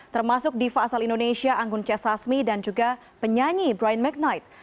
termasuk diva asal indonesia anggun c sasmi dan juga penyanyi brian mcnight